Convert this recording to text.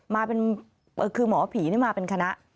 มาเป็นคือหมอผีนี่มาเป็นคณะ